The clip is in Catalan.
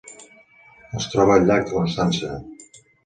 Es troba al llac de Constança.